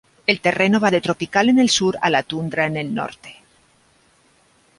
El terreno va de tropical en el sur a la tundra en el norte.